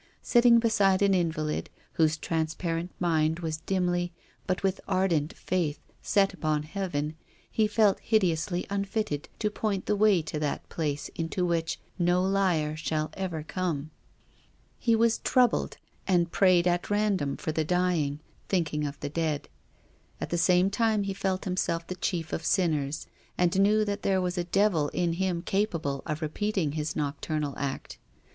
Sit ting beside an invalid, whose transparent mind was dimly, but with ardent faith, set on Heaven, he f( It hideously unfitted to point the way to that place into which no liar shall ever Lonie. He was 58 TONGUES OF CONSCIENCE. troubled, and prayed at random for the dying — thinking of the dead. At the same time he felt himself the chief of sinners and knew that there was a devil in him capable of repeating his noc turnal act.